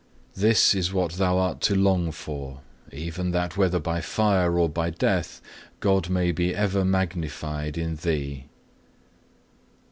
This is what thou art to long for, even that whether by life or by death God may be ever magnified in thee."